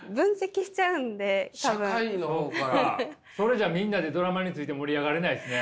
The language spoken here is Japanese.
それじゃあみんなでドラマについて盛り上がれないですね。